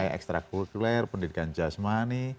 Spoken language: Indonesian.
kayak ekstra kulik pendidikan just money